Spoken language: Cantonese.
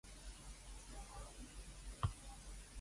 我一點起身